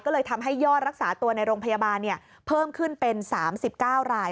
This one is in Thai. ก็เลยทำให้ยอดรักษาตัวในโรงพยาบาลเพิ่มขึ้นเป็น๓๙ราย